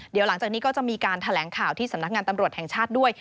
เดี๋ยวหลังจากนี้ก็จะมีการแถลงข่าวที่สำนักงานตำรวจแห่งชาติด้วย